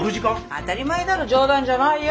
当たり前だろ冗談じゃないよ。